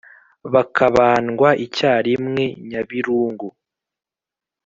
Bakabandwa icyarimwe Nyabirungu